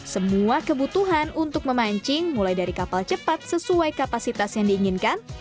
semua kebutuhan untuk memancing mulai dari kapal cepat sesuai kapasitas yang diinginkan